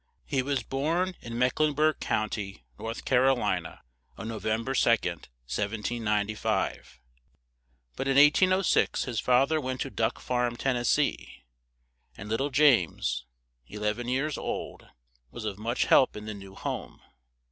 He was born in Meck len burg County, North Car o li na, on No vem ber 2d, 1705; but in 1806 his fa ther went to Duck Farm, Ten nes see, and lit tle James, e lev en years old, was of much help in the new home.